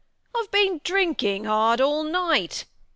I've been drinking hard all night.